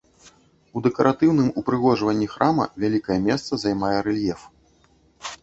У дэкаратыўным упрыгожванні храма вялікае месца займае рэльеф.